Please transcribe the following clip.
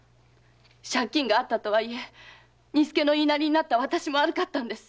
借金があったとはいえ三国屋の言いなりになった私が悪かったんです。